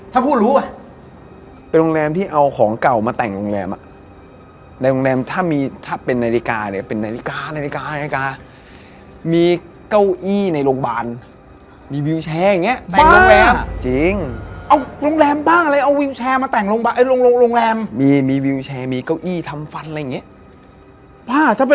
คือคนที่เขาคือคนที่เขาทักจรรย์พ่อ